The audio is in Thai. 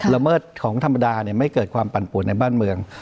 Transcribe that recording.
เมิดของธรรมดาเนี่ยไม่เกิดความปั่นปวดในบ้านเมือง